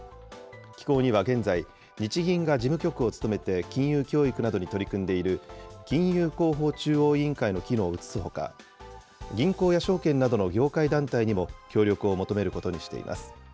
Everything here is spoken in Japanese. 機構には現在、日銀が事務局を務めて、金融教育などに取り組んでいる金融広報中央委員会の機能を移すほか、銀行や証券などの業界団体にも協力を求めることにしています。